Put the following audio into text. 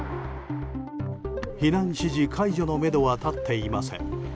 避難指示解除のめどはたっていません。